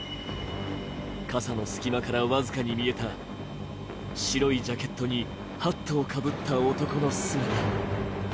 傘の隙間から僅かに見えた白いジャケットにハットをかぶった男の姿。